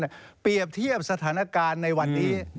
แต่เปรียบเทียบสถานการณ์ในวันนี้